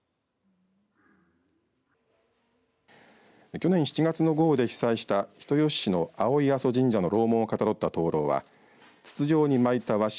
去年７月の豪雨で被災した人吉市の青井阿蘇神社の楼門をかたどった灯籠は筒状に巻いた和紙